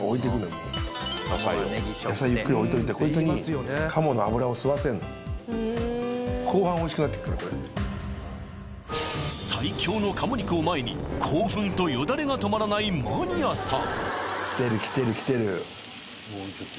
もう野菜ゆっくり置いといてこいつに鴨の脂を吸わせるの最強の鴨肉を前に興奮とよだれが止まらないマニアさん